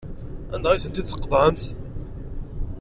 Anda ay tent-id-tqeḍɛemt?